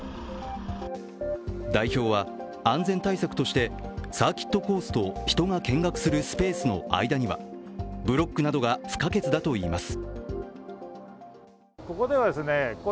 代表は安全対策としてサーキットコースと人が見学するスペースのまにはブロックなどが不可欠だといいます。